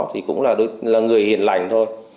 thì cũng là người hiền lành thôi